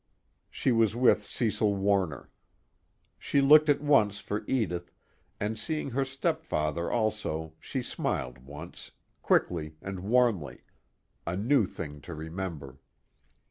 She was with Cecil Warner. She looked at once for Edith, and seeing her stepfather also she smiled once, quickly and warmly a new thing to remember.